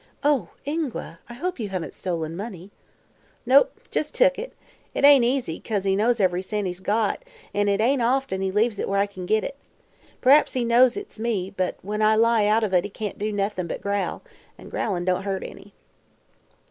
"Oh, Ingua! I hope you haven't stolen money?" "Nope. Jes' took it. It ain't easy, 'cause he knows ev'ry cent he's got, an' it ain't often he leaves it where I kin git it. P'r'aps he knows it's me, but when I lie out of it he can't do noth'n' but growl an' growlin' don't hurt any."